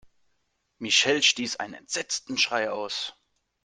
Michelle stieß einen entsetzten Schrei aus.